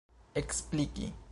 ekspliki